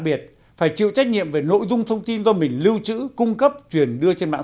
biệt phải chịu trách nhiệm về nội dung thông tin do mình lưu trữ cung cấp truyền đưa trên mạng